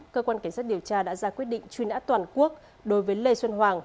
cơ quan cảnh sát điều tra đã ra quyết định truy nã toàn quốc đối với lê xuân hoàng